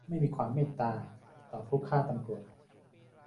ไม่มีความเมตตาต่อผู้ฆ่าตำรวจ !